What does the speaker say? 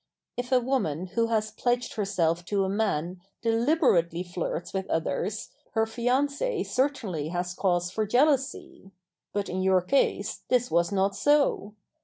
If a woman who has pledged herself to a man deliberately flirts with others her fiance certainly has cause for jealousy; but in your case this was not so.